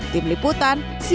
tim liputan cnn indonesia